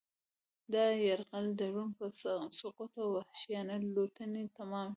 دا یرغل د روم په سقوط او وحشیانه لوټنې تمام شو